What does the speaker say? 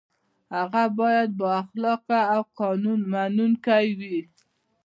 هغه باید با اخلاقه او قانون منونکی وي.